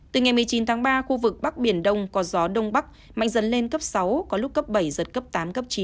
từ ngày một mươi chín tháng ba khu vực bắc biển đông có gió đông bắc mạnh dần lên cấp sáu có lúc cấp bảy giật cấp tám cấp chín